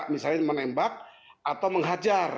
misalnya menembak atau menghajar